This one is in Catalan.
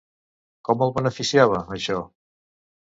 Com el beneficiava, això?